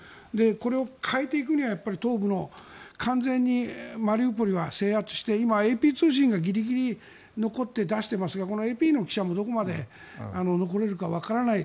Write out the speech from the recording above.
これを変えていくには東部の、完全にマリウポリは制圧して今、ＡＰ通信がギリギリ残って出していますが、ＡＰの記者もどこまで残れるかわからない。